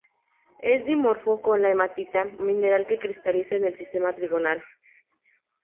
Es dimorfo con la hematita, mineral que cristaliza en el sistema trigonal.